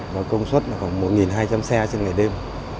và công suất khoảng một hai trăm linh xe trên ngày đêm